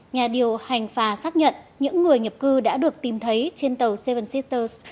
nhà điều hành phà xác nhận những người nhập cư đã được tìm thấy trên tàu seven sisters